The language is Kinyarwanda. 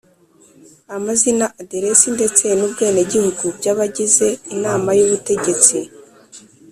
amazina, aderesi ndetse n’ubwenegihugu by’abagize inama y’ubutegetsi;